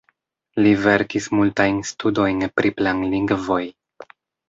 Li verkis multajn studojn pri planlingvoj.